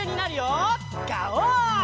ガオー！